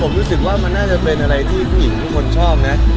ผมรู้สึกว่ามันน่าจะเป็นอะไรที่ผู้หญิงทุกคนชอบนะ